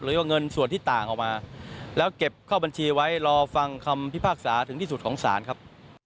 หรือว่าเงินส่วนที่ต่างออกมาแล้วเก็บเข้าบัญชีไว้รอฟังคำพิพากษาถึงที่สุดของศาลครับ